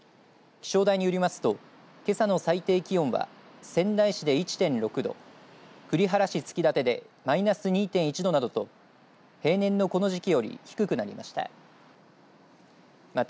気象台によりますとけさの最低気温は仙台市で１．６度栗原市築館でマイナス２．１度などと平年のこの時期より低くなりました。